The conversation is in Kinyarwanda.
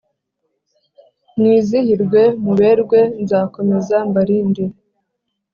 Mwizihirwe muberwe nzakomeza mbarinde